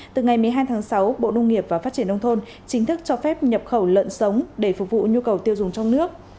từ ngày một mươi hai tháng sáu bộ nông nghiệp và phát triển nông thôn chính thức cho phép nhập khẩu lợn sống để phục vụ nhu cầu tiêu dùng trong nước